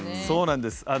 そうなんです。